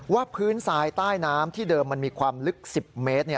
ว่าพื้นทรายใต้น้ำที่เดิมมันมีความลึก๑๐เมตร